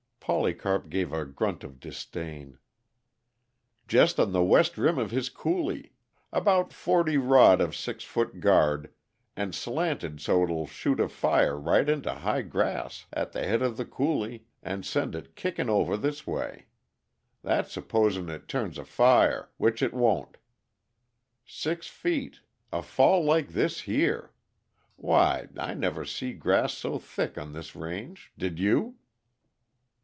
Polycarp gave a grunt of disdain. "Just on the west rim of his coulee. About forty rod of six foot guard, and slanted so it'll shoot a fire right into high grass at the head of the coulee and send it kitin' over this way. That's supposin' it turns a fire, which it won't. Six feet a fall like this here! Why, I never see grass so thick on this range did you?"